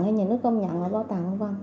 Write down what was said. hay nhìn nó công nhận là báo tàng v v